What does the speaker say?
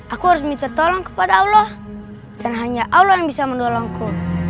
aku harus minta tolong kepada allah dan hanya allah yang bisa menolongku